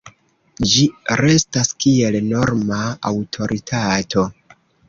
Ĝi restas kiel norma aŭtoritato.